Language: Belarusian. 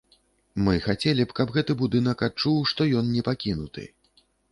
Мы хацелі б, каб гэты будынак адчуў, што ён не пакінуты.